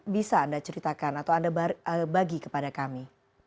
bisa anda ceritakan atau anda bagi kepada kami